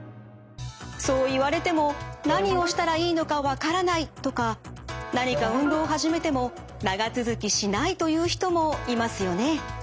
そう言われても何をしたらいいのか分からないとか何か運動を始めても長続きしないという人もいますよね。